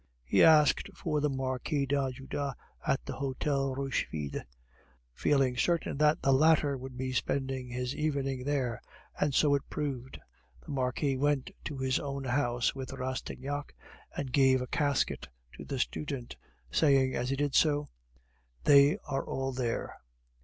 He asked for the Marquis d'Ajuda at the Hotel Rochefide, feeling certain that the latter would be spending his evening there, and so it proved. The Marquis went to his own house with Rastignac, and gave a casket to the student, saying as he did so, "They are all there."